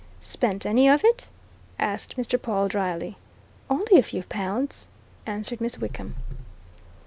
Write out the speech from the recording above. "Spent any of it?" asked Mr. Pawle dryly. "Only a few pounds," answered Miss Wickham.